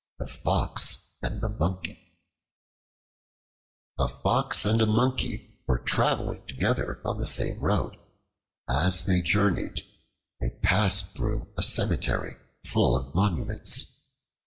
The Fox and the Monkey A FOX and a Monkey were traveling together on the same road. As they journeyed, they passed through a cemetery full of monuments.